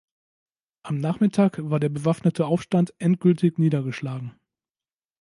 Am Nachmittag war der bewaffnete Aufstand endgültig niedergeschlagen.